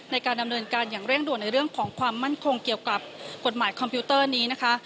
ในการดำเนินการอย่างเร่งด่วนในเรื่องของความมั่นคงเกี่ยวกับกฎหมายคอมพิวเตอร์นี้นะคะ